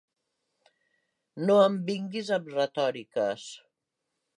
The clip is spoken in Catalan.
No em vinguis amb retòriques.